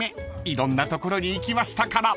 ［いろんな所に行きましたから］